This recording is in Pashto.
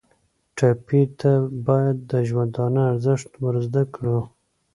ټپي ته باید د ژوندانه ارزښت ور زده کړو.